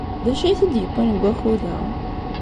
D acu ay t-id-yewwin deg wakud-a?